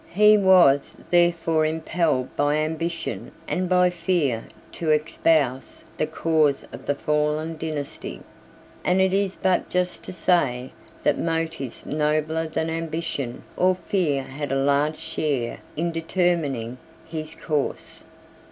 He was therefore impelled by ambition and by fear to espouse the cause of the fallen dynasty. And it is but just to say that motives nobler than ambition or fear had a large share in determining his course.